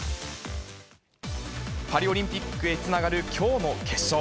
パリオリンピックへつながるきょうの決勝。